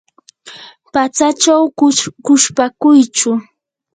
patsachaw quchpakuychu.